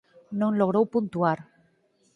No logrou puntuar.